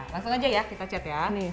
langsung aja ya kita chat ya